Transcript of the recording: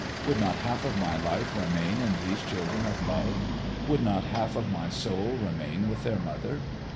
Would not half of my life remain in these children of love? Would not half of my soul remain with their mother?